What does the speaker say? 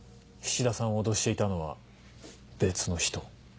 菱田さんを脅していたのは別の人。